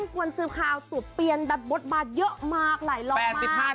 กรรมสัญลป้อมพบกเป็นความหัว